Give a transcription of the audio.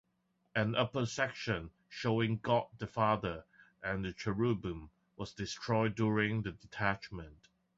An upper section showing God the Father and cherubim was destroyed during the detachment.